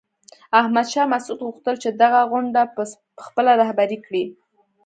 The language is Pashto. احمد شاه مسعود غوښتل چې دغه غونډه په خپله رهبري کړي.